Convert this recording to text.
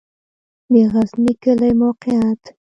د غزنی کلی موقعیت